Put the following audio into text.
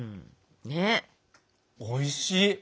おいしい！